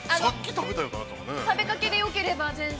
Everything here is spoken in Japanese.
◆食べかけでよければ、全然。